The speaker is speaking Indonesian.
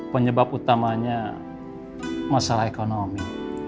penyebab utamanya masalah ekonomi